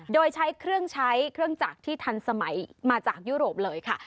โดยใช้เครื่องใช้เครื่องจักรที่ทันสมัยมาจากยุโรปเลยค่ะ